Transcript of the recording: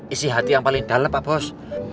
isi hati yang paling dalam pak bos